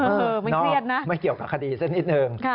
ไม่เครียดนะไม่เกี่ยวกับคดีสักนิดหนึ่ง